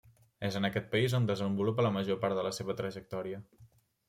És en aquest país on desenvolupa la major part de la seva trajectòria.